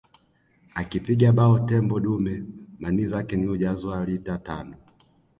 Akipiga bao tembo dume manii zake ni ujazo wa lita tano